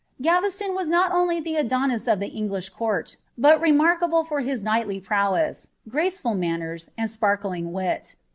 Care»l(H] was not only the Adonis of the English court, but remark •Ue for his knightly prowess, graceful manners, and sparkling wit.